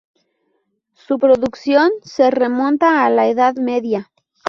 Su producción se remonta a la Edad Media.